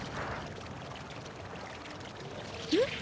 えっ？